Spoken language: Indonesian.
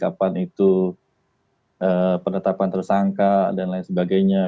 kapan itu penetapan tersangka dan lain sebagainya